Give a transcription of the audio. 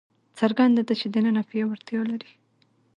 څرګنده ده چې دننه پیاوړتیا لري.